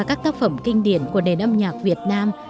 qua các tác phẩm kinh điển của đền âm nhạc việt nam